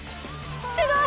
すごい！